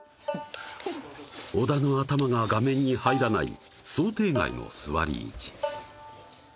小田の頭が画面に入らない想定外の座り位置